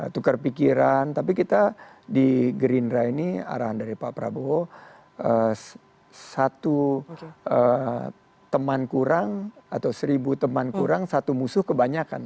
tukar pikiran tapi kita di gerindra ini arahan dari pak prabowo satu teman kurang atau seribu teman kurang satu musuh kebanyakan